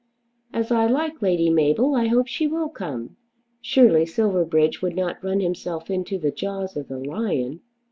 As I like Lady Mabel, I hope she will come." Surely Silverbridge would not run himself into the jaws of the lion.